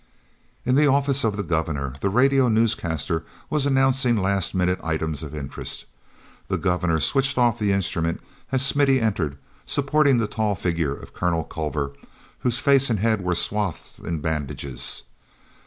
n the office of the Governor, the radio newscaster was announcing last minute items of interest. The Governor switched off the instrument as Smithy entered, supporting the tall figure of Colonel Culver, whose face and head were swathed in bandages.